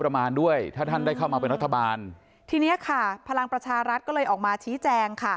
ประมาณด้วยถ้าท่านได้เข้ามาเป็นรัฐบาลทีเนี้ยค่ะพลังประชารัฐก็เลยออกมาชี้แจงค่ะ